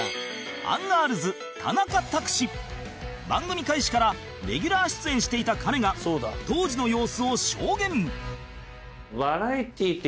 番組開始からレギュラー出演していた彼が当時の様子を証言